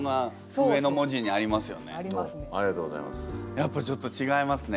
やっぱりちょっとちがいますね